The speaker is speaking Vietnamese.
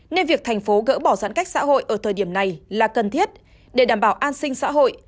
nên việc thành phố gỡ bỏ giãn cách xã hội ở thời điểm này là cần thiết để đảm bảo an sinh xã hội